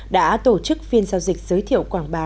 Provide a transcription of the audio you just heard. đã tổ chức phiên giao dịch giới thiệu quảng bá